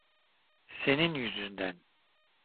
Senin yüzünden.